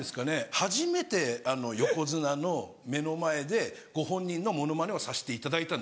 初めて横綱の目の前でご本人のモノマネをさせていただいたんですよ。